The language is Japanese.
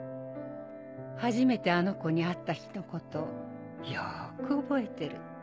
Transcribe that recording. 初めてあの子に会った日のことよく覚えてる。